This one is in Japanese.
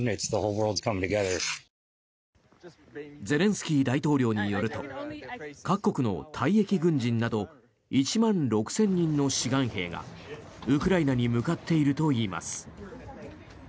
ゼレンスキー大統領によると各国の退役軍人など１万６０００人の志願兵がウクライナに向かっているといいます。